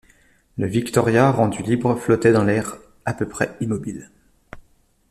Le Victoria rendu libre flottait dans l’air, à peu près immobile.